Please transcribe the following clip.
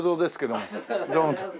どうも。